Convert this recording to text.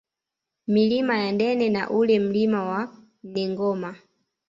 Milima ya Ndene na ule Mlima wa Nengoma